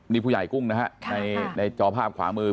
นี่ผู้ใหญ่กุ้งนะฮะในจอภาพขวามือ